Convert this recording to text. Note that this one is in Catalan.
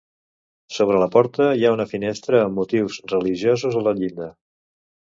Sobre la porta hi ha una finestra amb motius religiosos a la llinda.